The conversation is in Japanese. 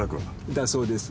だそうです。